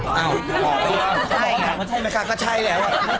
ว่ะใช่ไหมครับก็ใช่แล้ว